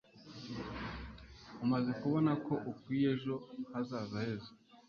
umaze kubona ko ukwiye ejo hazaza heza